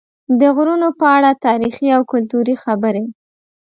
د غرونو په اړه تاریخي او کلتوري خبرې